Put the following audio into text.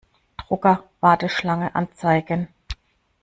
Drucker-Warteschlange anzeigen.